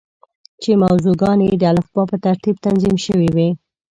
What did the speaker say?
چې موضوع ګانې یې د الفبا په ترتیب تنظیم شوې وې.